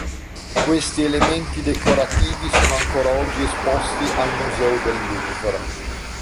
Questi elementi decorativi sono ancora oggi esposti al museo del Louvre.